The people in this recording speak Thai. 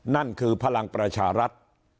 นั่นคือพลังประชารัฐ